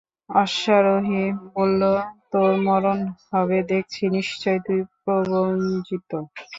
অশ্বারোহী বলল, তোর মরণ হবে দেখছি, নিশ্চয় তুই প্রবঞ্চিত।